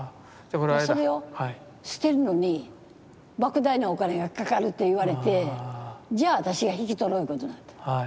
それを捨てるのにばく大なお金がかかるっていわれてじゃあ私が引き取ろういうことになった。